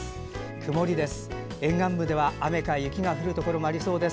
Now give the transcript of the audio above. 曇りです。